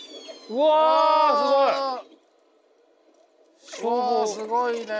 うわすごいね。